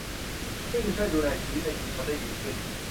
ซึ่งจะช่วยดูแลชีวิตในชุมชนได้ดีขึ้น